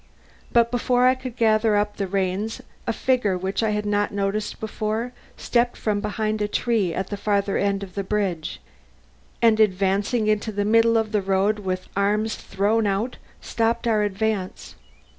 But before I could gather up the reins a figure which I had not noticed before stepped from behind a tree at the farther end of the bridge, and advancing into the middle of the road with arms thrown out, stopped our advance.